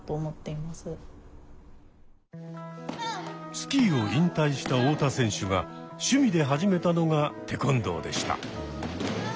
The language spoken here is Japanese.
スキーを引退した太田選手が趣味で始めたのが「テコンドー」でした。